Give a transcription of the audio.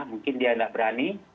mungkin dia tidak berani